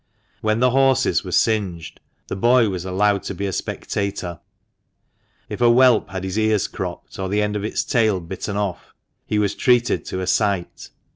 When the horses were singed, the boy was allowed to be a spectator ; if a whelp had his ears cropped, or the end of its tail bitten of, he was treated to a sight.